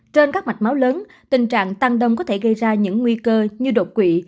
trên các mạch máu lớn tình trạng tăng đông có thể gây ra những nguy cơ như đột quỵ